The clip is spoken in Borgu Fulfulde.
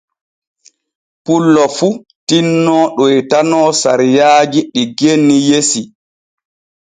Pullo fu tinno ɗoytano sariyaaji ɗi genni yesi.